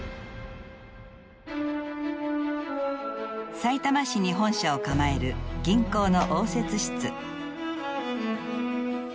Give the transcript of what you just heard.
さいたま市に本社を構える銀行の応接室。